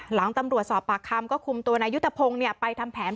หลังตำรวจสอบปากคำก็คุมตัวนายุทธพงศ์ไปทำแผน